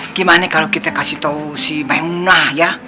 nih gimana kalo kita kasih tau si maimunah ya